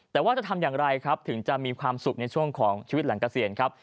แต่ว่าจะทำอย่างไรครับถึงจะมีความสุขในช่วงของชีวิตหลังเกษียณครับ